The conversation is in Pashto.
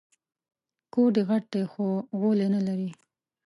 کور دي غټ دی خو غولی نه لري